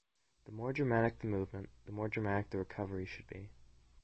The more dramatic the movement, the more dramatic the recovery should be.